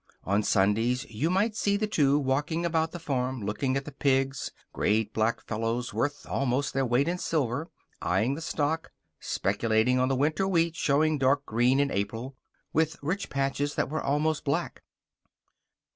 On Sundays you might see the two walking about the farm, looking at the pigs great black fellows worth almost their weight in silver; eying the stock; speculating on the winter wheat showing dark green in April, with rich patches that were almost black.